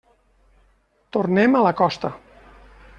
Tornem a la costa.